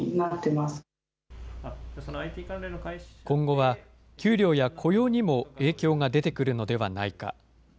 今後は給料や雇用にも影響が出てくるのではないか。